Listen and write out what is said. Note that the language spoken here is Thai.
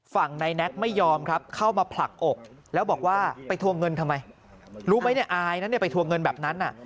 ฝั่งนายแน็กไม่ยอมครับเข้ามาผลักอกแล้วบอกว่าไปทวงเงินทำไมรู้ไหมเนี่ยอายนะเนี่ยไปทวงเงินแบบนั้น